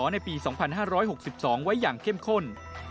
ในปี๒๕๖๒ไว้อย่างเข้มข้น